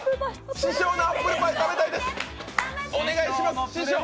師匠のアップルパイ食べたいです。